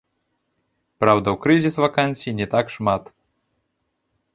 Праўда, у крызіс вакансій не так шмат.